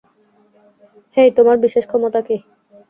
হেই, তোমার বিশেষ ক্ষমতা কী?